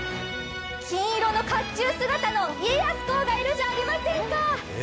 金色のかっちゅう姿の家康公がいるではありませんか。